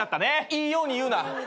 いいように言うな。